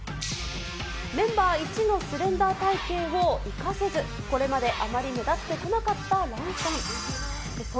メンバー一のスレンダー体型を生かせず、これまであまり目立ってこなかったランさん。